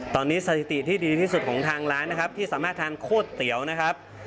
ตอนนี้สถิติที่ดีที่สุดของทางร้านนะครับที่สามารถทานโคตรเตี๋ยวนะครับ